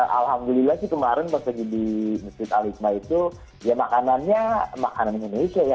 alhamdulillah sih kemarin pas lagi di masjid al hikmah itu ya makanannya makanan indonesia ya